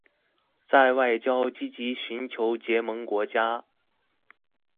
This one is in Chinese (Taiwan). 在外交積極尋求結盟國家